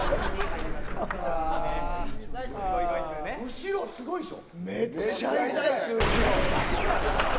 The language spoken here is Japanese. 後ろ、すごいでしょ。